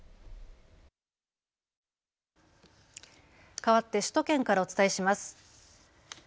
かわって首都圏からお伝えします。